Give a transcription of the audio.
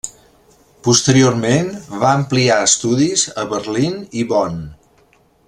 Posteriorment va ampliar estudis a Berlín i Bonn.